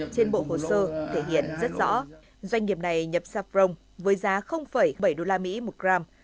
trên bộ hồ sơ thể hiện rất rõ doanh nghiệp này nhập saprong với giá bảy usd một gram